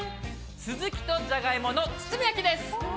スズキとジャガイモの包み焼きです。